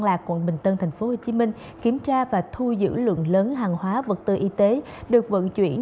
lạc quận bình tân tp hcm kiểm tra và thu giữ lượng lớn hàng hóa vật tư y tế được vận chuyển